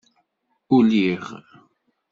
Uliɣ.